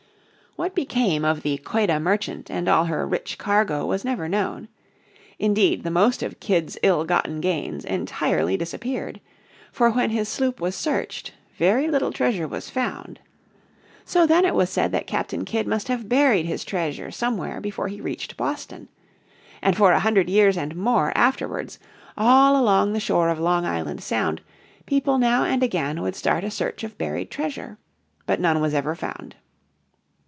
What became of the Quedah Merchant and all her rich cargo was never known. Indeed the most of Kidd's ill gotten gains entirely disappeared. For when his sloop was searched very little treasure was found. So then it was said that Captain Kidd must have buried his treasure somewhere before he reached Boston. And for a hundred years and more afterwards all along the shore of Long Island Sound people now and again would start a search of buried treasure. But none was ever found.